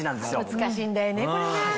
難しいんだよねこれが。